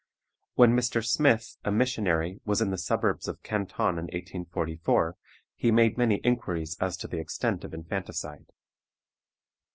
When Mr. Smith, a missionary, was in the suburbs of Canton in 1844, he made many inquiries as to the extent of infanticide.